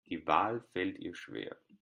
Die Wahl fällt ihr schwer.